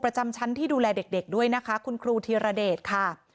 ประจำชั้นที่ดูแลเด็กด้วยนะคะคุณครูธีรเดชค่ะ